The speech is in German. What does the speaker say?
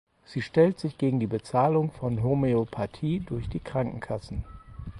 Sie stellt sich gegen die Bezahlung von Homöopathie durch die Krankenkassen.